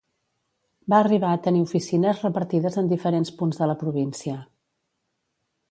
Va arribar a tenir oficines repartides en diferents punts de la província.